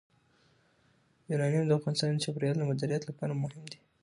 یورانیم د افغانستان د چاپیریال د مدیریت لپاره مهم دي.